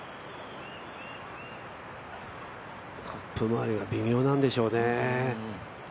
カップ周りが微妙なんでしょうね。